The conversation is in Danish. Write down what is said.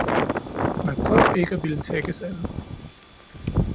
Men prøv ikke at ville tækkes alle.